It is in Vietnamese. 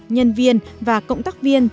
nhân viên và cộng tác viên